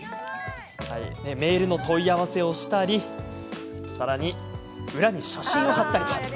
メールの問い合わせをしたり裏に写真を貼ったり。